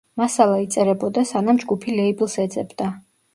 მასალა იწერებოდა, სანამ ჯგუფი ლეიბლს ეძებდა.